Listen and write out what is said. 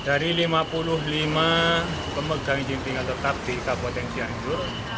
dari lima puluh lima pemegang izin tinggal tetap di kabupaten cianjur